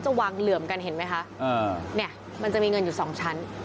วางเหลื่อมกันเห็นไหมคะเนี่ยมันจะมีเงินอยู่สองชั้น